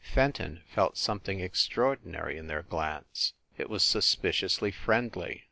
Fenton felt some thing extraordinary in their glance it was sus piciously friendly.